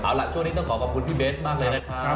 เอาล่ะช่วงนี้ต้องขอขอบคุณพี่เบสมากเลยนะครับ